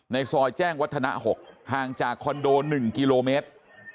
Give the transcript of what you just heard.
ซอยแจ้งวัฒนะ๖ห่างจากคอนโด๑กิโลเมตร